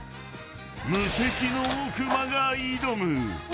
無敵の奥間が挑む！